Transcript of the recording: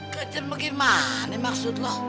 kecil bagaimana maksud lo